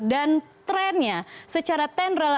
dan trennya secara ten